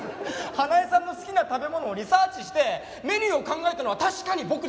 花枝さんの好きな食べ物をリサーチしてメニューを考えたのは確かに僕です。